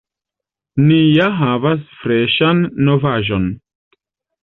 Ni ja havas freŝan novaĵon!